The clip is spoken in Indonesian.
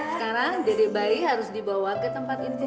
sekarang dedek bayi harus dibawa ke tempat ini